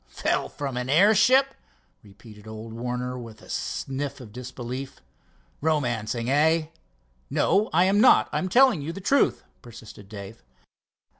"Fell from an airship?" repeated old Warner with a sniff of disbelief. "Romancing, hey?" "No, I am not, I am telling you the truth," persisted Dave.